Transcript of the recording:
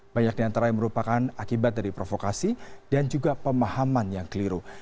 banyak diantara yang merupakan akibat dari provokasi dan juga pemahaman yang keliru